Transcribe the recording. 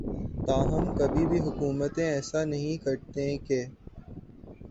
تاہم کہیں بھی حکومتیں ایسا نہیں کرتیں کہ